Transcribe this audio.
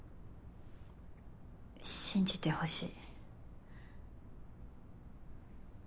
信じてほしい。